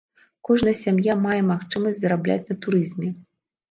Кожная сям'я мае магчымасць зарабляць на турызме.